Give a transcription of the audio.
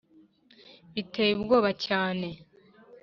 biteye ubwoba cane!